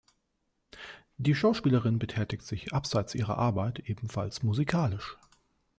Die Schauspielerin betätigt sich abseits ihrer Arbeit ebenfalls musikalisch.